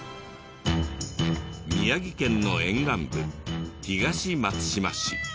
宮城県の沿岸部東松島市。